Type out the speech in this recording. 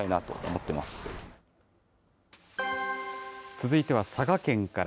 続いては佐賀県から。